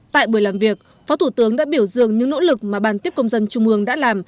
tại buổi làm việc phó thủ tướng đã biểu dương những nỗ lực mà ban tiếp công dân trung ương đã làm